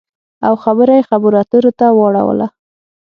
او خبره یې خبرو اترو ته واړوله